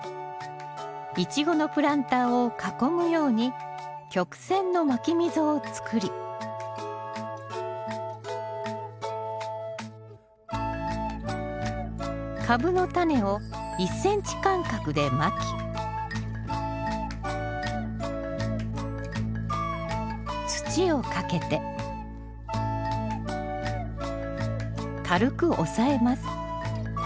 イチゴのプランターを囲むように曲線のまき溝を作りカブのタネを１ｃｍ間隔でまき土をかけて軽く押さえます。